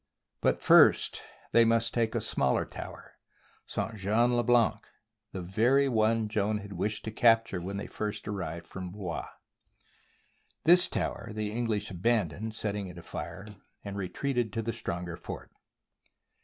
But first they must take a smaller tower — St. Jean le Blanc, — the very one Joan had wished to capture when they first arrived from Blois. This tower the Eng lish abandoned, setting it afire, and retreated to the stronger fort.